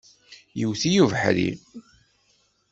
Yewwet-iyi ubeḥri.